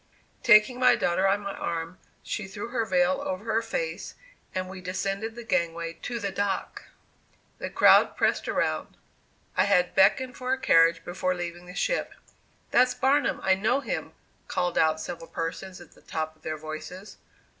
Taking my daughter on my arm, she threw her veil over her face, and we descended the gangway to the dock. The crowd pressed around. I had beckoned for a carriage before leaving the ship. "That's Barnum, I know him," called out several persons at the top of their voices.